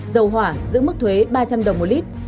dầu hỏa giữ mức thuế ba trăm linh đồng một lít